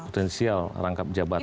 potensial rangkap jabatan